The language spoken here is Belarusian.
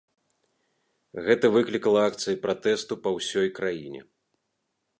Гэта выклікала акцыі пратэсту па ўсёй краіне.